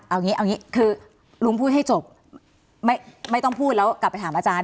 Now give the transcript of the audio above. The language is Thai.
เอางี้เอาอย่างนี้คือลุงพูดให้จบไม่ต้องพูดแล้วกลับไปถามอาจารย์